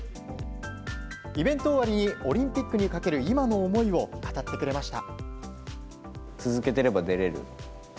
イベント終わりにオリンピックにかける今の思いを語ってくれました。